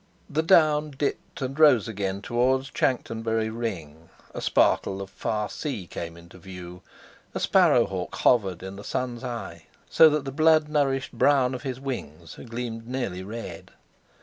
The Down dipped and rose again toward Chanctonbury Ring; a sparkle of far sea came into view, a sparrow hawk hovered in the sun's eye so that the blood nourished brown of his wings gleamed nearly red.